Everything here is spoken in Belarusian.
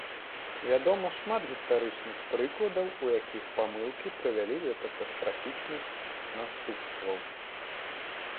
Вядома шмат гістарычных прыкладаў, у якіх памылкі прывялі да катастрафічных наступстваў.